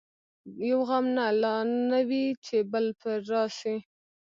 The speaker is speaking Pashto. یو غم نه لا نه وي چي بل پر راسي